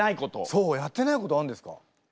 そうやってないことあんですか？